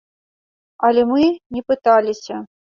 Але мы не пыталіся.